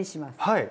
はい。